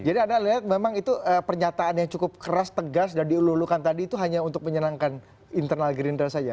jadi anda lihat memang itu pernyataan yang cukup keras tegas dan diululukan tadi itu hanya untuk menyenangkan internal gerindra saja